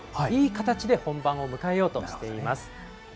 いい形で本番を迎えようとしています。